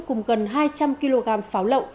cùng gần hai trăm linh kg pháo lộng